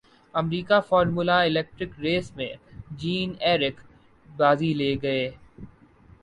امریکہ formula electric race میں Jean Eric بازی لے گئے